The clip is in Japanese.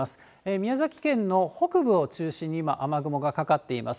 宮崎県の北部を中心に今、雨雲がかかっています。